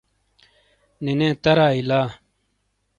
نینے ترائیی لا ۔